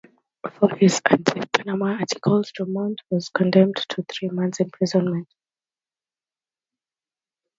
For his anti-Panama articles, Drumont was condemned to three months' imprisonment.